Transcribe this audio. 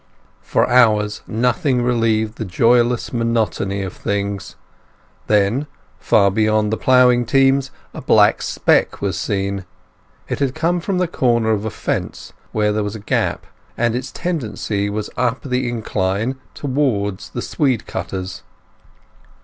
For hours nothing relieved the joyless monotony of things. Then, far beyond the ploughing teams, a black speck was seen. It had come from the corner of a fence, where there was a gap, and its tendency was up the incline, towards the swede cutters.